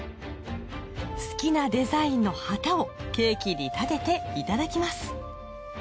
好きなデザインの旗をケーキに立てていただきます